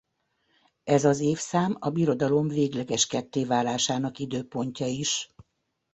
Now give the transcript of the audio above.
Ez az évszám a birodalom végleges kettéválásának időpontja is.